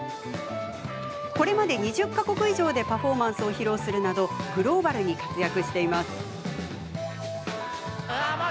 これまで２０か国以上でパフォーマンスを披露するなどグローバルに活躍しています。